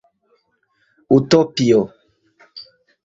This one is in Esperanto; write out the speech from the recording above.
Utopio